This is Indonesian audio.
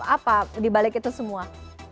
apa dibalik itu semua